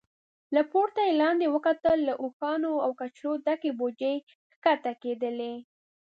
له پورته يې لاندې وکتل، له اوښانو او کچرو ډکې بوجۍ کښته کېدلې.